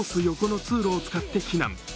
横の通路を使って避難。